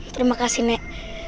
terima kasih nek